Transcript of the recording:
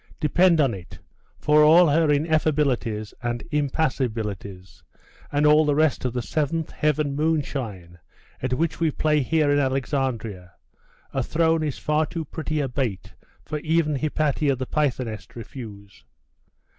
Depend on it, for all her ineffabilities, and impassibilities, and all the rest of the seventh heaven moonshine at which we play here in Alexandria, a throne is far too pretty a bait for even Hypatia the pythoness to refuse.